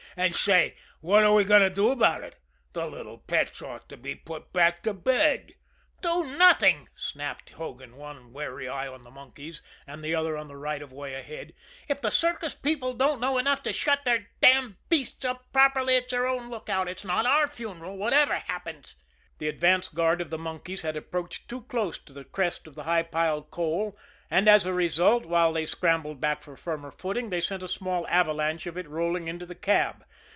And say, what are we going to do about it? The little pets ought to be put back to bed." "Do nothing!" snapped Hogan, one wary eye on the monkeys, and the other on the right of way ahead. "If the circus people don't know enough to shut their damned beasts up properly it's their own lookout it's not our funeral, whatever happens." The advance guard of the monkeys had approached too close to the crest of the high piled coal, and as a result, while they scrambled back for firmer footing, they sent a small avalanche of it rolling into the cab.